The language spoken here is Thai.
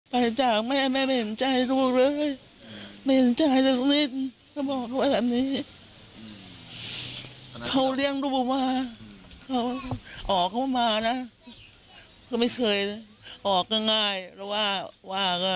แล้วก็ขับบินจะมากให้มากขับบินน้อยให้น้อย